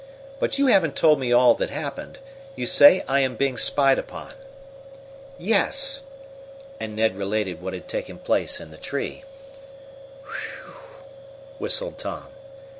"But you haven't told me all that happened. You say I am being spied upon." "Yes," and Ned related what had taken place in the tree. "Whew!" whistled Tom.